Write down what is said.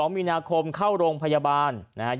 ๒๒มีนาคมเข้าโรงพยาบาล